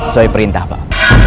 saya perintah pak